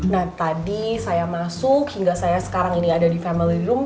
nah tadi saya masuk hingga saya sekarang ini ada di family room